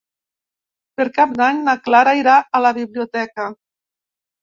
Per Cap d'Any na Clara irà a la biblioteca.